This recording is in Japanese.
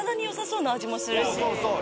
そうそう。